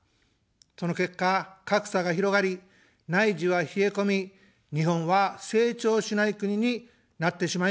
その結果、格差が広がり、内需は冷え込み、日本は「成長しない国」になってしまいました。